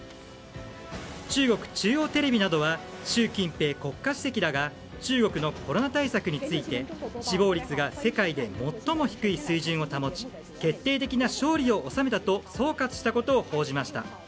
中国中央テレビなどは習近平国家主席らが中国のコロナ対策について死亡率が世界で最も低い水準を保ち決定的な勝利を収めたと総括したことを報じました。